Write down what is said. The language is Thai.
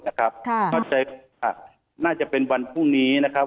นะครับก็เจ็บครับน่าจะเป็นวันภูมินะครับ